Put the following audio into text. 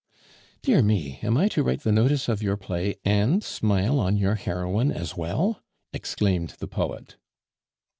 "Dear me! am I to write the notice of your play and smile on your heroine as well?" exclaimed the poet.